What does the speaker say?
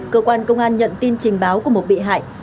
cơ quan công an nhận tin trình báo của một bị hại